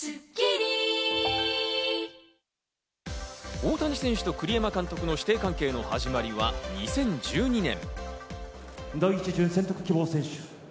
大谷選手と栗山監督の師弟関係の始まりは２０１２年。